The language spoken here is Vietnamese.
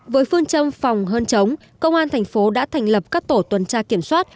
với phương châm phòng hơn chống công an tp hcm đã thành lập các tổ tuần tra kiểm soát